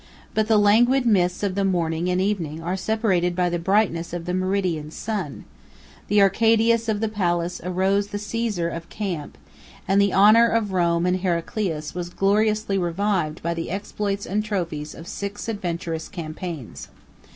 But the languid mists of the morning and evening are separated by the brightness of the meridian sun; the Arcadius of the palace arose the Caesar of the camp; and the honor of Rome and Heraclius was gloriously retrieved by the exploits and trophies of six adventurous campaigns.